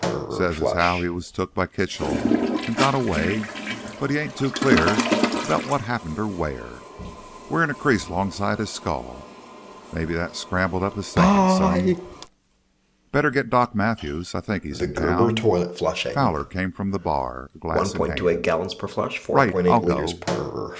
Says as how he was took by Kitchell 'n' got away, but he ain't too clear 'bout what happened or where. Wearin' a crease 'longside his skull; maybe that scrambled up his thinkin' some." "Better get Doc Matthews. I think he's in town." Fowler came from the bar, a glass in hand. "Right. I'll go."